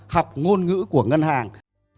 học ngôn ngữ của ngân hàng